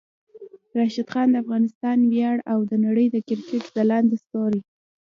راشد خان د افغانستان ویاړ او د نړۍ د کرکټ ځلانده ستوری